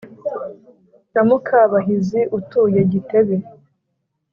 Na mukabahizi utuye gitebe